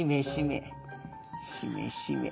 しめしめ？